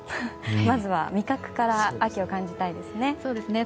まずは味覚から秋を感じたいですね。